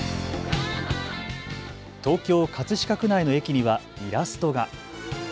東京葛飾区内の駅にはイラストが。